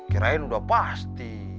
kirain udah pasti